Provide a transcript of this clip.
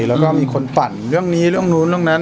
แล้วก็มีคนปั่นเรื่องนี้เรื่องนู้นเรื่องนั้น